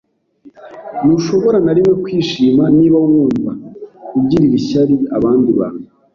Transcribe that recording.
Ntushobora na rimwe kwishima niba wumva ugirira ishyari abandi bantu.